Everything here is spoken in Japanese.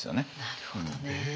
なるほどね。